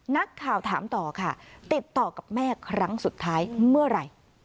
นักข่าวถามต่อค่ะติดต่อกับแม่ครั้งสุดท้ายเมื่อไหร่